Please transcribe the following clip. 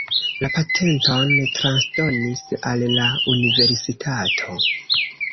La patenton transdonis al la universitato.